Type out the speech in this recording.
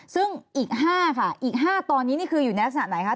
ซึ่งอีก๕ค่ะอีก๕ตอนนี้นี่คืออยู่ในลักษณะไหนคะ